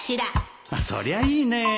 そりゃあいいね